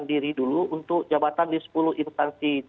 diri dulu untuk jabatan di sepuluh instansi